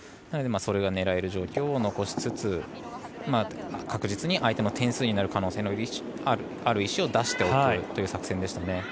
それが狙える状況を残しつつ確実に相手の点数になる可能性のある石を出しておくという作戦ですね。